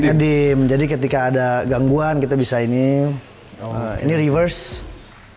kedim jadi ketika ada gangguan kita bisa ini ini reverse